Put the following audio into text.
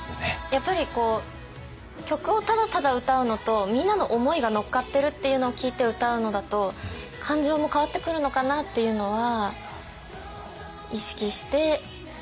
やっぱり曲をただただ歌うのとみんなの思いが乗っかってるっていうのを聞いて歌うのだと感情も変わってくるのかなっていうのは意識してやっぱり伝えてました。